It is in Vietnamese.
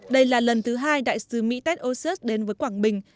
đây là lần thứ hai đại sứ mỹ ted osius đến với quảng bình